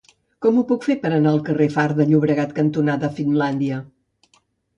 Com ho puc fer per anar al carrer Far de Llobregat cantonada Finlàndia?